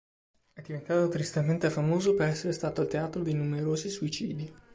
È diventato tristemente famoso per essere stato il teatro di numerosi suicidi.